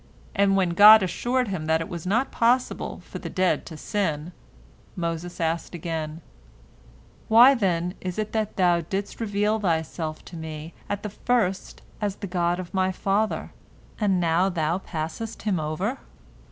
and when God assured him that it was not possible for the dead to sin, Moses asked again, "Why, then, is it that Thou didst reveal Thyself to me at the first as the God of my father, and now Thou passest him over?"